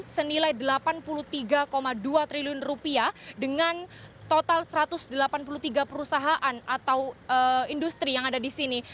senilai rp delapan puluh tiga dua triliun dengan total satu ratus delapan puluh tiga perusahaan atau industri yang ada di sini